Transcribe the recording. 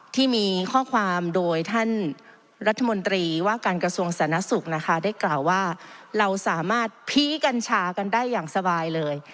ที่มีข้อความโดยท่านรัฐมนตรีว่าการกระทรวงสาธารณสุขนะคะได้กล่าวว่าเราสามารถพีคกัญชากันได้อย่างสบายเลย